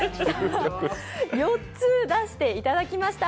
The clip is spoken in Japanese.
４つ出していただきました